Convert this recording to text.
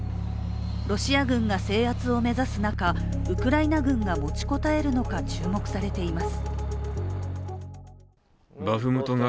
ロシア軍が制圧を目指す中、ウクライナ軍が持ちこたえるのか注目されています。